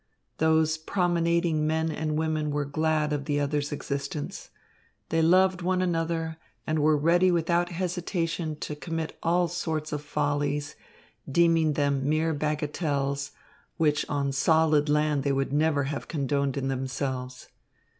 Those promenading men and women were each glad of the other's existence. They loved one another and were ready without hesitation to commit all sorts of follies, deeming them mere bagatelles, which on solid land they would never have condoned in themselves.